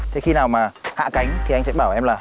thế khi nào mà hạ cánh thì anh sẽ bảo em là